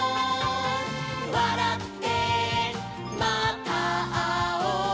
「わらってまたあおう」